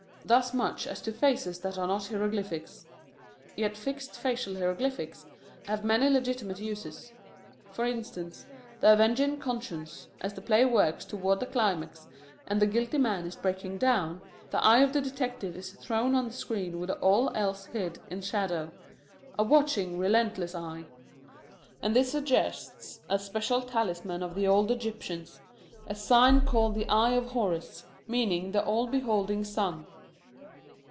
Thus much as to faces that are not hieroglyphics. Yet fixed facial hieroglyphics have many legitimate uses. For instance in The Avenging Conscience, as the play works toward the climax and the guilty man is breaking down, the eye of the detective is thrown on the screen with all else hid in shadow, a watching, relentless eye. And this suggests a special talisman of the old Egyptians, a sign called the Eyes of Horus, meaning the all beholding sun.